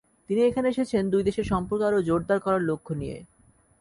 তিনি এখানে এসেছেন দুই দেশের সম্পর্ক আরও জোরদার করার লক্ষ্য নিয়ে।